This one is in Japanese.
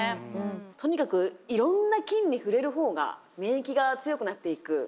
とにかくいろんな菌に触れる方が免疫が強くなっていくんですね。